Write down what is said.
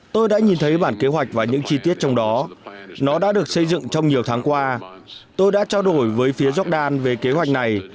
tôi đã nhìn thấy bản kế hoạch và những chi tiết trong đó nó đã được xây dựng trong nhiều tháng qua